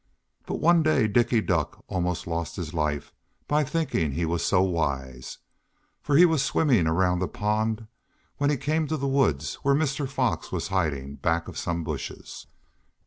But one day Dicky Duck almost lost his life by thinking he was so wise, for he was swimming around the pond when he came to the woods where Mr. Fox was hiding back of some bushes.